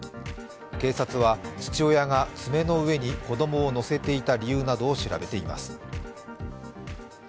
警察は父親が爪の上に子供を乗せていた理由などを調べています。